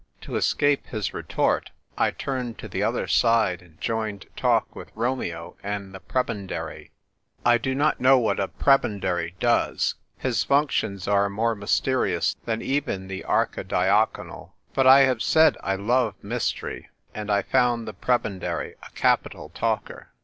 To escape his retort, I turned to the other side and joined talk with Romeo and the pre bendary. I do not know what a prebendary does ; his functions are more mysterious than even the archidiaconal ; but I have said I love mystery ; and I found the prebendary a capital talker.